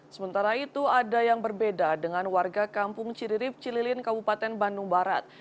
sementara itu ada yang berbeda dengan warga kampung ciririp cililin kabupaten bandung barat